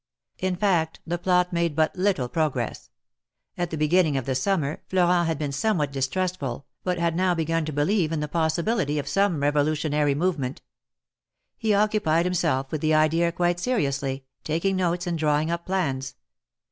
In fact, the plot made but little progress. At the beginning of the Summer, Florent had been somewhat distrustful, but had now begun to believe in the possi bility of some Be volutionary movement. He occupied himself with the idea quite seriously, taking notes and drawing up plans.